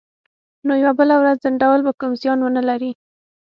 نو یوه بله ورځ ځنډول به کوم زیان ونه لري